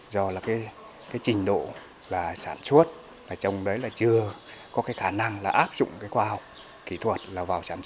do là cái trình độ là sản xuất và trong đấy là chưa có cái khả năng là áp dụng cái quà